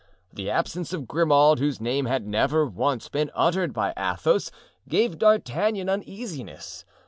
The absence of Grimaud, whose name had never once been uttered by Athos, gave D'Artagnan uneasiness.